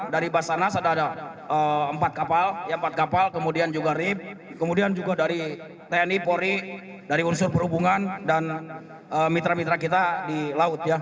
dari basanas ada empat kapal kemudian juga rib kemudian juga dari tni pori dari unsur berhubungan dan mitra mitra kita di laut